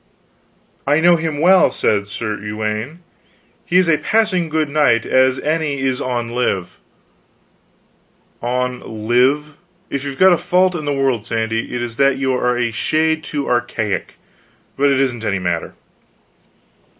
"I know him well, said Sir Uwaine, he is a passing good knight as any is on live." "On live. If you've got a fault in the world, Sandy, it is that you are a shade too archaic. But it isn't any matter."